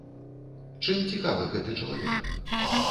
Чым цікавы гэты чалавек?